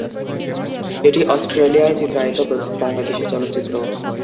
এটি অস্ট্রেলিয়ায় চিত্রায়িত প্রথম বাংলাদেশী চলচ্চিত্র।